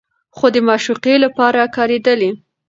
خو د معشوقې لپاره کارېدلي